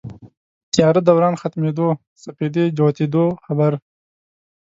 تیاره دوران ختمېدو سپېدې جوتېدو خبر